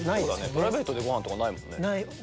プライベートでご飯とかないもんね。